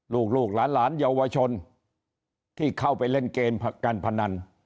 ลูกหลานเยาวชนที่เข้าไปเล่นเกมการพนัน